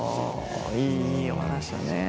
いいお話だね。